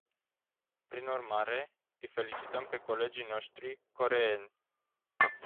Prin urmare, îi felicităm pe colegii noștri coreeni.